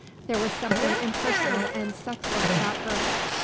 There was something impersonal and sexless about her.